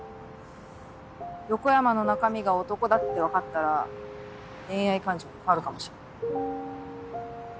横山の中身が男だって分かったら恋愛感情に変わるかもしれない。